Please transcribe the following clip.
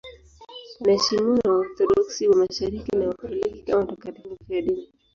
Anaheshimiwa na Waorthodoksi wa Mashariki na Wakatoliki kama mtakatifu mfiadini.